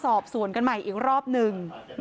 นี่นะคะคือจับไปได้แล้วสาม